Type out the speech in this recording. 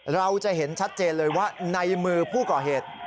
เราจะเห็นชัดเจนเลยว่าในมือผู้ก่อเหตุ